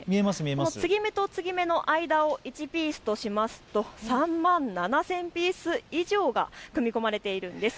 継ぎ目と継ぎ目の間を１ピースとすると３万７０００ピース以上が組み込まれているんです。